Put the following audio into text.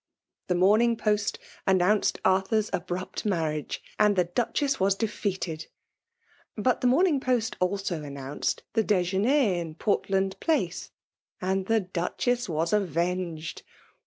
The Morning Pogt announced Arthur^s abrupt marriage, and the DucheBs was defeated ; but the Morning Post also an nounced the dejeuner in Portland Place — and the Duchess was avenged.